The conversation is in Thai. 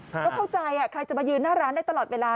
ก็เข้าใจใครจะมายืนหน้าร้านได้ตลอดเวลา